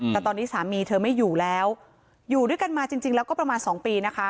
แต่ตอนนี้สามีเธอไม่อยู่แล้วอยู่ด้วยกันมาจริงแล้วก็ประมาณ๒ปีนะคะ